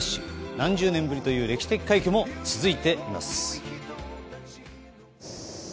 何十年ぶりという歴史的快挙も続いています。